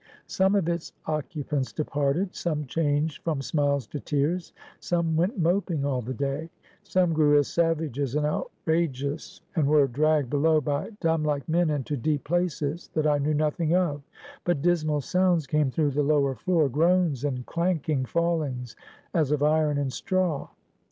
Some of its occupants departed; some changed from smiles to tears; some went moping all the day; some grew as savages and outrageous, and were dragged below by dumb like men into deep places, that I knew nothing of, but dismal sounds came through the lower floor, groans and clanking fallings, as of iron in straw.